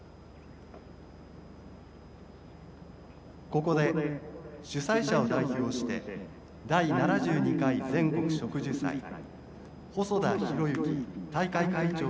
「ここで主催者を代表して第７２回全国植樹祭細田博之大会会長がご挨拶を申し上げます」。